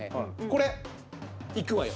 これいくわよ。